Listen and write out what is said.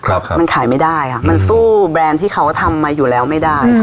ครับมันขายไม่ได้ค่ะมันสู้แบรนด์ที่เขาทำมาอยู่แล้วไม่ได้ค่ะ